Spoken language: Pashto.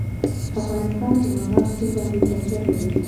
افغانستان په مورغاب سیند باندې تکیه لري.